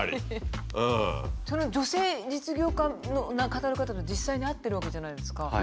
その女性実業家をかたる方と実際に会ってるわけじゃないですか。